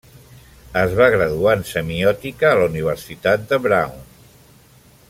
Es va graduar en Semiòtica a la Universitat de Brown.